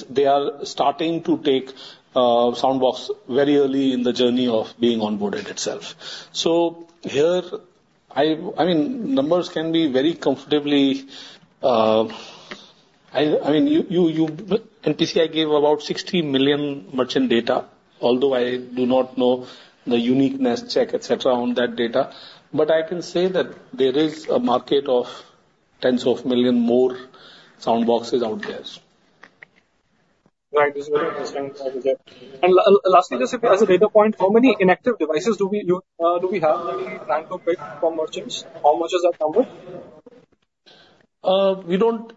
They are starting to take soundbox very early in the journey of being onboarded itself. So here I mean numbers can be very comfortably. I mean you NPCI gave about 60 million merchant data although I do not know the uniqueness check etc. on that data. But I can say that there is a market of tens of million more sound boxes out there. Right. This is very interesting. And lastly, just as a data point, how many inactive devices do we have that we plan to pick for merchants? How much does that come with? We don't.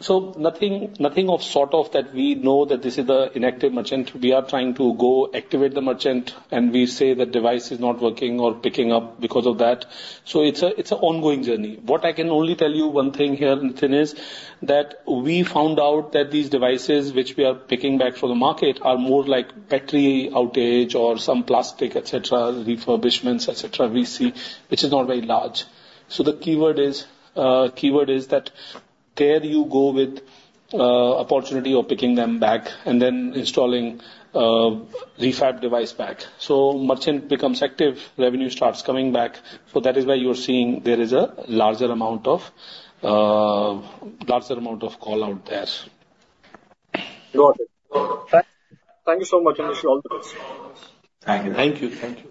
So nothing of sort of that. We know that this is the inactive merchant. We are trying to go activate the merchant and we say the device is not working or picking up because of that. So it's an ongoing journey. What I can only tell you one thing here then is that we found out that these devices which we are picking back from the market are more like battery outage or some plastic etc. Refurbishments, etc. We see which is not very large. So the keyword is that there you go with opportunity of picking them back and then installing refab device back. So merchant becomes active revenue starts coming back. So that is why you are seeing there is a larger amount of calls out there. Thank you so much. Thank you. Thank you.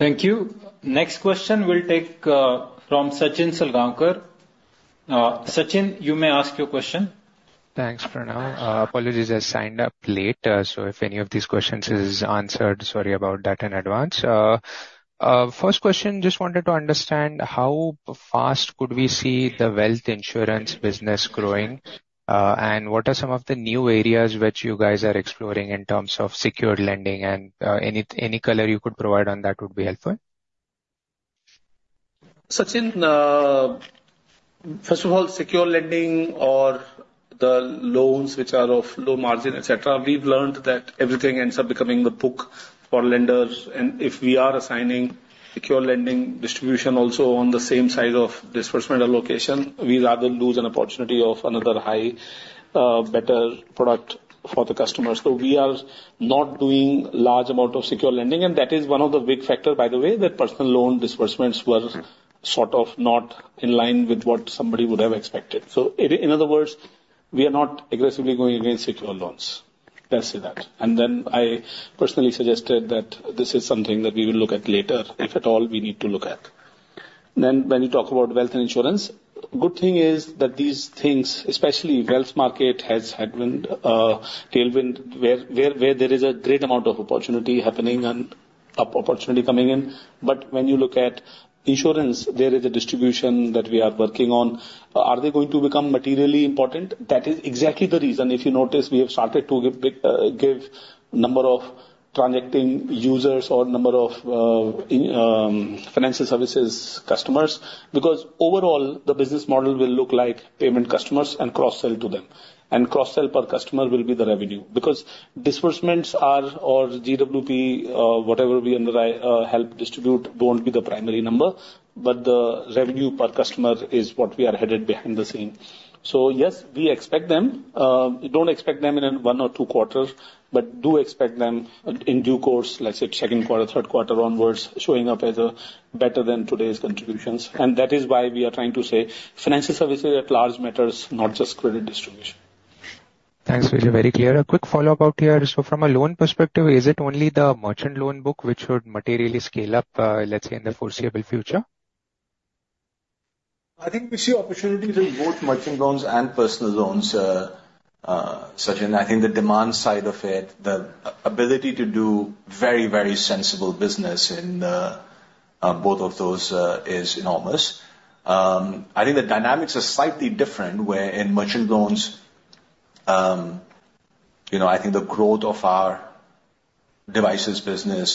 Thank you. Thank you. Next question we'll take from Sachin Salgaonkar. Sachin, you may ask your question. Thanks Pranav. Apologies, I signed up late. So if any of these questions is answered. Sorry about that in advance. First question, just wanted to understand how fast could we see the wealth insurance business growing and what are some of the new areas which you guys are exploring in terms of secured lending and any color you could provide on that would be helpful. Sachin. First of all, secure lending or the loans which are of low margin etc. We've learned that everything ends up becoming the book for lenders. And if we are assigning secure lending distribution also on the same side of disbursement allocation, we rather lose an opportunity of another high better product for the customer. So we are not doing large amount of secure lending. And that is one of the big factor by the way that personal loan disbursements were sort of not in line with what somebody would have expected. So in other words we are not aggressively going against secure loans. Let's say that. And then I personally suggested that this is something that we will look at later if at all we need to look at then. When you talk about wealth and insurance, good thing is that these things especially wealth market has had a tailwind where there is a great amount of opportunity happening and opportunity coming in. But when you look at insurance there is a distribution that we are working on. Are they going to become materially important? That is exactly the reason if you notice we have started to give number of transacting users or number of financial services customers because overall the business model will look like payment customers and cross sell to them and cross sell per customer will be the revenue because disbursements are or GWP whatever we help distribute won't be the primary number but the revenue per customer is what we are headed for behind the scenes. So yes, we expect them. Don't expect them in one or two quarters, but do expect them in due course. Let's say second quarter, third quarter onwards, showing up as better than today's contributions. And that is why we are trying to say financial services at large matters, not just credit distribution. Thanks, very clear. A quick follow up out here. So from a loan perspective is it only the merchant loan book which should materially scale up let's say in the foreseeable future? I think we see opportunities in both merchant loans and personal loans, Sachin. I think the demand side of it, the ability to do very very sensible business in both of those is enormous. I think the dynamics are slightly different where in merchant loans. You know I think the growth of our devices business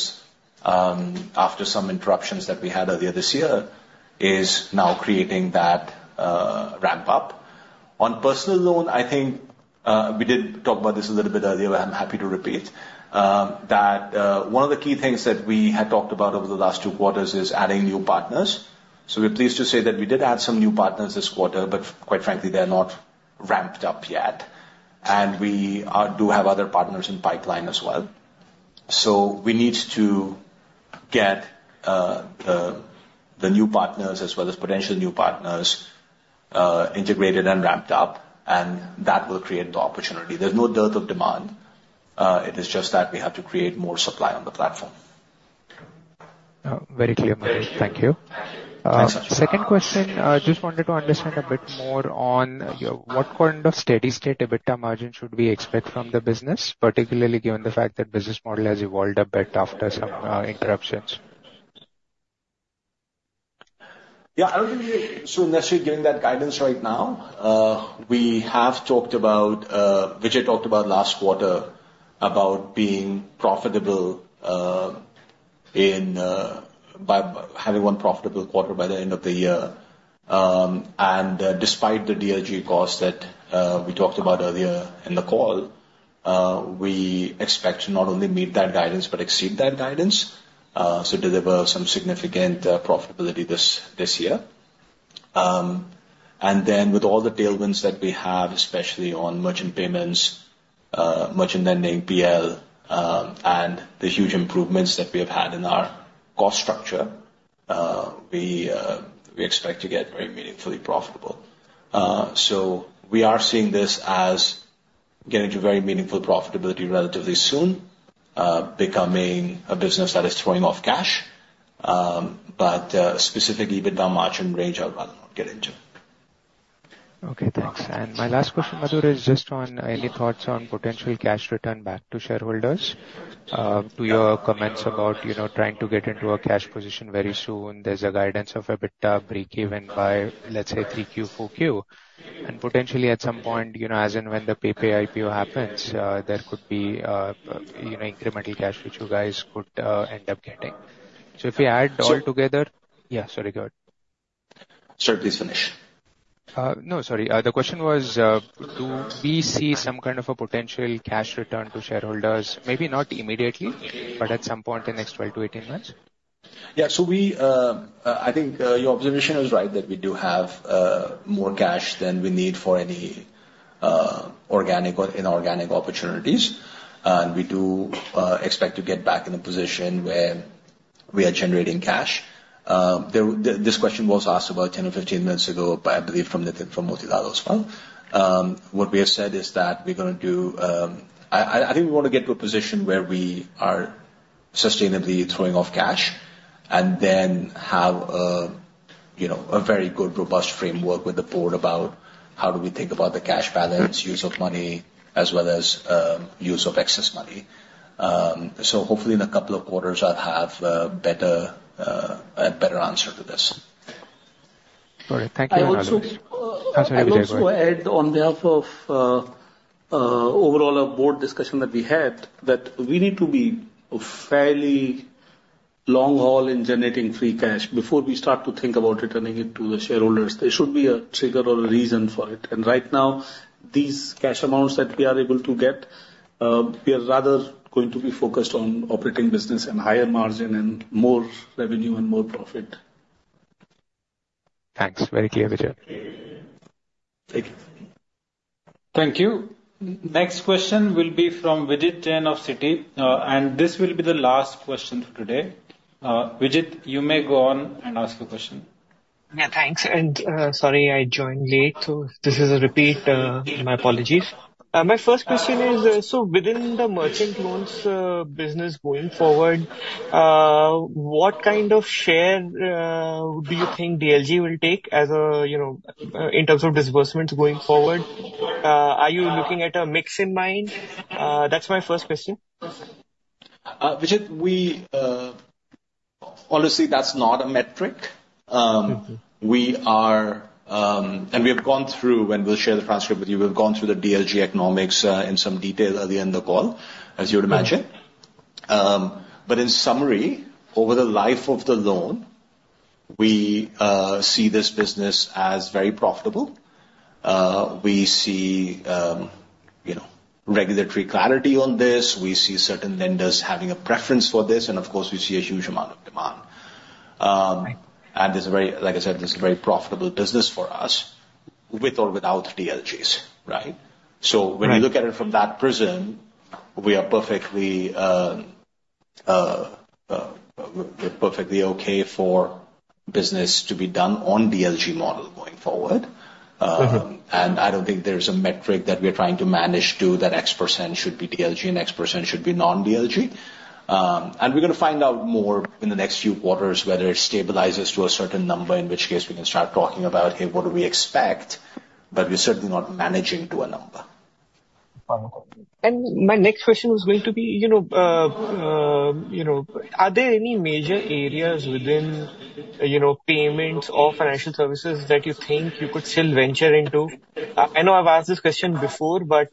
after some interruptions that we had earlier this year is now creating that ramp up on personal loan. I think we did talk about this a little bit earlier. I'm happy to repeat that one of the key things that we had talked about over the last two quarters is adding new partners. So we're pleased to say that we did add some new partners this quarter, but quite frankly they're not ramped up yet. And we do have other partners in pipeline as well. So we need to get the new partners as well as potential new partners integrated and ramped up and that will create the opportunity. There's no dearth of demand. It is just that we have to create more supply on the platform. Very clear, thank you. Second question, just wanted to understand a bit more on what kind of steady state EBITDA margin should we expect from the business, particularly given the fact that business model has evolved a bit after some interruptions? Yeah, I would say on, given that guidance right now. We have talked about, Vijay, last quarter about being profitable by having one profitable quarter by the end of the year. And despite the DLG cost that we talked about earlier in the call, we expect to not only meet that guidance but exceed that guidance so deliver some significant profitability this year. And then with all the tailwinds that we have especially on merchant payments, merchant lending, PL and the huge improvements that we have had in our cost structure, we expect to get very meaningfully profitable, so we are seeing this as getting to very meaningful profitability relatively soon, becoming a business that is throwing off cash, but specific EBITDA margin range I'll get into. Okay, thanks. And my last question, Madhur, is just on any thoughts on potential cash return back to shareholders to your comments about, you know, trying to get into a cash position very soon. There's a guidance of EBITDA break even by let's say 3Q, 4Q and potentially at some point, you know, as and when the Paytm IPO happens, there could be, you know, incremental cash which you guys could end up getting. So if we add all together. Yeah, sorry, go ahead. Sir, please finish. No, sorry. The question was, do we see some kind of a potential cash return to shareholders maybe not immediately but at some point in the next 12-18 months. Yeah, so I think your observation is right that we do have more cash than we need for any organic or inorganic opportunities and we do expect to get back in a position where we are generating cash. This question was asked about 10 or 15 minutes ago, I believe from Motilal Oswal as well. What we have said is that we're going to do. I think we want to get to a position where we are sustainably throwing off cash and then have, you know, a very good robust framework with the board about how do we think about the cash balance, use of money as well as use of excess money. So hopefully in a couple of quarters I'll have a better answer to this. Thank you. On behalf of overall, a board discussion that we had that we need to be fairly long haul in generating free cash before we start to think about returning it to the shareholders. There should be a trigger or a reason for it. And right now these cash amounts that we are able to get, we are rather going to be focused on operating business and higher margin and more revenue and more profit. Thanks. Very clear, Vijay. Thank you. Thank you. Next question will be from Vijit Jain of Citi. This will be the last question for today. Vijit, you may go on and ask a question. Yeah, thanks. Sorry I joined late. This is a repeat. My apologies. My first question is, so within the merchant loans business going forward, what kind share do you think DLG will take as a, you know, in terms of disbursements going forward? Are you looking at a mix in mind? That's my first question. We. Honestly, that's not a metric. We are and we have gone through and we'll share the transcript with you, we've gone through the DLG economics in some detail early in the call, as you would imagine. But in summary, over the life of the loan, we see this business as very profitable. We see, you know, regulatory clarity on this. We see certain lenders having a preference for this. And of course we, we see a huge amount of demand. And this is very, like I said, this is a very profitable business for us with or without DLG. Right. So when you look at it from that prism, we are perfectly, perfectly okay for business to be done on DLG model going forward. And I don't think there's a metric that we're trying to manage to that X% should be DLG and X% should be non-DLG. And we're going to find out more in the next few quarters whether it stabilizes to a certain number, in which case we can start talking about, hey, what do we expect? But we're certainly not managing to a number. And my next question was going to... Be, you know, you know, are there any major areas within, you know, payments or financial services that you think you could still venture into? I know I've asked this question before, but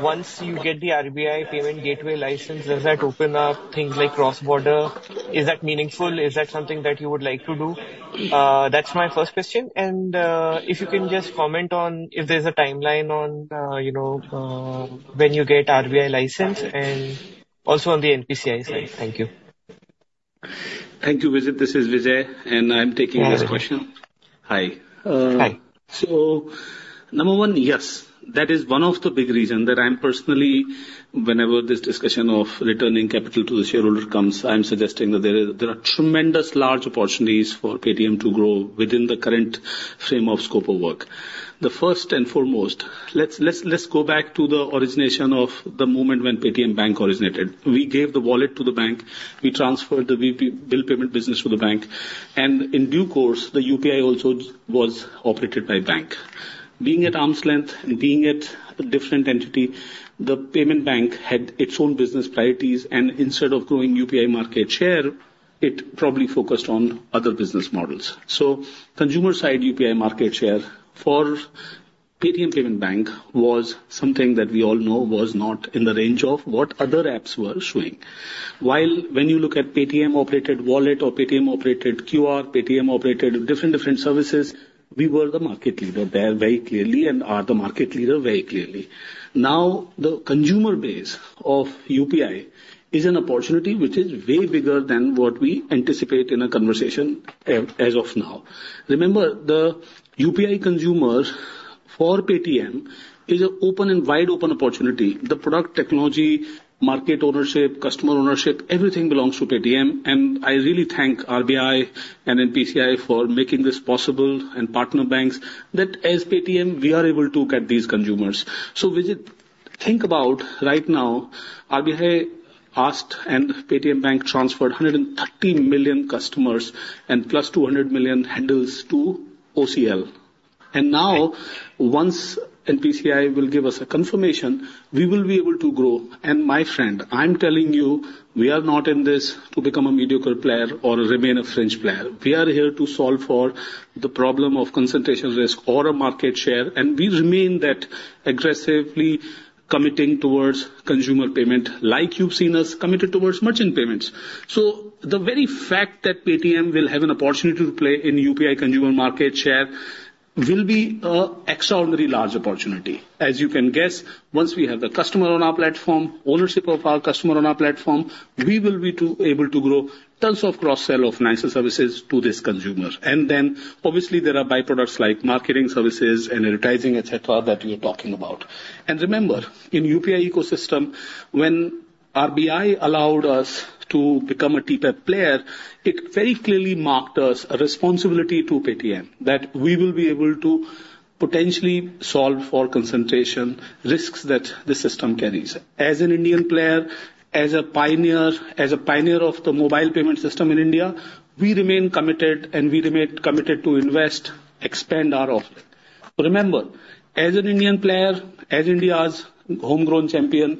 once you get the RBI Payment Gateway license, does that open up things like cross border, is that meaningful? Is that something that you would like to do? That's my first question. And if you can just comment on if there's a timeline on, you know, when you get RBI license and also on the NPCI side. Thank you. Thank you. Vijit. This is Vijay and I'm taking this question. Hi. Hi. So number one, yes. That is one of the big reason that I'm personally whenever this discussion of returning capital to the shareholder comes. I'm suggesting that there are tremendous large opportunities for Paytm to grow within the current frame of scope of work. The first and foremost, let's go back to the origination of the moment when Paytm bank originated. We gave the wallet to the bank, we transferred the bill payment business for the bank and in due course the UPI also was operated by bank being at arm's length being it a different entity, the payment bank had its own business priorities and instead of growing UPI market share, it probably focused on other business models. So consumer side UPI market share for Paytm Payments Bank was something that we all know was not in the range of what other apps were showing. While when you look at Paytm operated Wallet or Paytm operated QR, Paytm operated different services. We were the market leader there very clearly and are the market leader very clearly now. The consumer base of UPI is an opportunity which is way bigger than what we anticipate in a conversation as of now. Remember, the UPI consumer for Paytm is an open and wide open opportunity. The product, technology, market ownership, customer ownership, everything belongs to Paytm. And I really thank RBI and NPCI for making this possible and partner banks that as Paytm we are able to get these consumers. So think about right now RBI asked and Paytm Bank transferred 130 million customers and plus 200 million handles to OCL. And now once NPCI will give us a confirmation, we will be able to grow. And my friend, I'm telling you we are not in this to become a mediocre player or remain a fringe player. We are here to solve for the problem of concentration risk or a market share. And we remain that aggressively committing towards consumer payment like you've seen us committed towards merchant payments. So the very fact that Paytm will have an opportunity to play in UPI consumer market share will be extraordinary large opportunity. As you can guess, once we have the customer on our platform, ownership of our customer on our platform, we will be able to grow tons of cross sell of financial services to this consumer. And then obviously there are byproducts like marketing services and advertising etc. that you're talking about. And remember in the UPI ecosystem when RBI allowed us to become a TPAP player, it very clearly marked us a responsibility to Paytm that we will be able to potentially solve for concentration risks that the system carries. As an Indian player, as a pioneer, as a pioneer of the mobile payment system in India, we remain committed and we remain committed to invest expand our offering. Remember as an Indian player, as India's homegrown champion,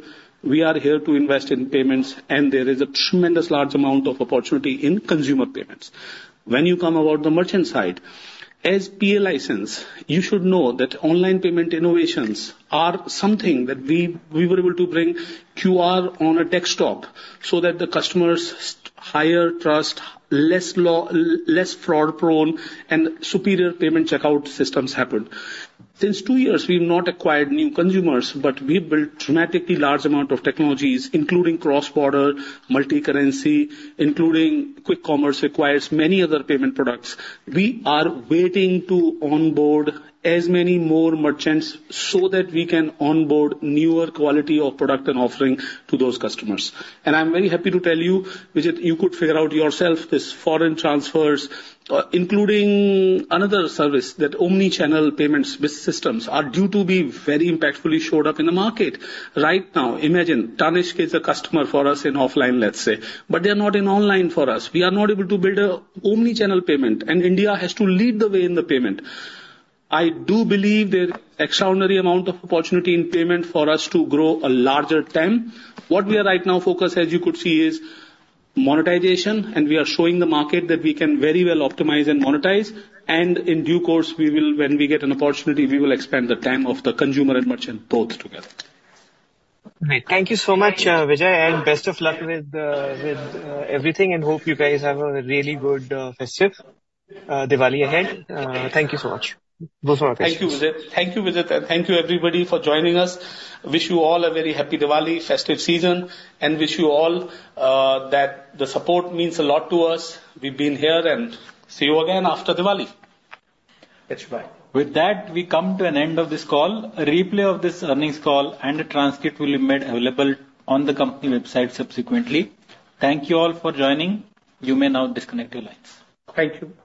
we are here to invest in payments and there is a tremendous large amount of opportunity in consumer payments. When you come about the merchant side as PA license you should know that online payment innovations are something that we were able to bring QR on a desktop so that the customers higher trust less fraud prone and superior payment checkout systems happen. Since two years we have not acquired new consumers, but we built dramatically large amount of technologies including cross-border multi-currency including quick commerce requires many other payment products. We are waiting to onboard as many more merchants so that we can onboard newer quality of product and offering to those customers, and I'm very happy to tell you you could figure out yourself this foreign transfers including another service that omnichannel payments systems are due to be very impactfully showed up in the market right now. Imagine Tanishq is a customer for us in offline, let's say, but they are not in online for us. We are not able to build a omnichannel payment, and India has to lead the way in the payment. I do believe that extraordinary amount of opportunity in payment for us to grow a larger term. What we are right now focus as you could see is monetization, and we are showing the market that we can very well optimize and monetize, and in due course we will, when we get an opportunity, we will expand the time of the consumer and merchant both together. Thank you so much, Vijay, and best of luck with everything and hope you guys have a really good festive Diwali ahead. Thank you so much. Thank you. Thank you. Thank you everybody for joining us. Wish you all a very happy Diwali festive season and wish you all that the support means a lot to us. We've been here and see you again after Diwali. With that we come to an end of this call. A replay of this earnings call and a transcript will be made available on the company website subsequently. Thank you all for joining. You may now disconnect your lines. Thank you. Bye.